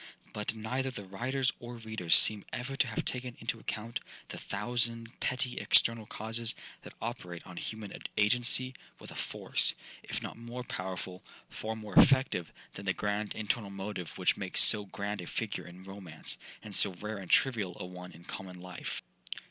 But neither the writers or readers seem ever to have taken into account the thousand petty external causes that operate on human agency with a force, if not more powerful, far more effective than the grand internal motive which makes so grand a figure in romance, and so rare and trivial a one in common life.